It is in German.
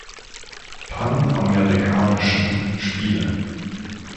Panamerikanischen Spiele.